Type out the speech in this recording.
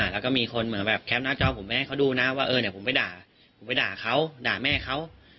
แล้วก็มีคนแคปหน้าจอผมไม่ให้เขาดูนะว่าผมไปด่าเขาด่าแม่เขา